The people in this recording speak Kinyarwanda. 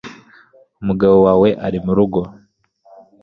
umugabo wawe ari murugo